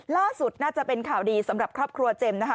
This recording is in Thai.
ล่าสุดน่าจะเป็นข่าวดีสำหรับครอบครัวเจมส์นะคะ